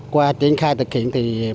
qua triển khai thực hiện